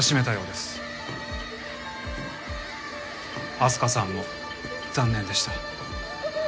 明日香さんも残念でした。